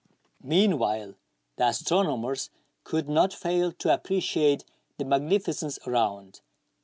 Meanwhile the astronomers could not fail to appreciate the magnificence around.